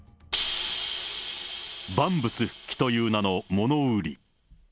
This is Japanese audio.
万物復帰という名の物売り。